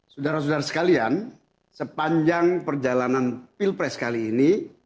saudara saudara sekalian sepanjang perjalanan pilpres kali ini